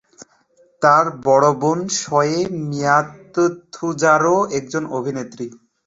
তার বড় বোন সোয়ে মিয়াত থুজারও একজন অভিনেত্রী।